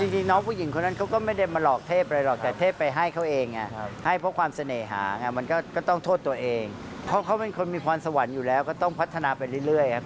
อยู่ที่ความสวรรค์อยู่แล้วก็ต้องพัฒนาไปเรื่อย